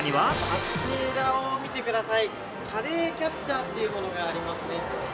こちらを見てください、カレーキャッチャーというものがありますね。